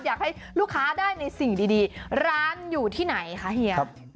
อยากให้ลูกค้าได้ในสิ่งดีร้านอยู่ที่ไหนคะเฮีย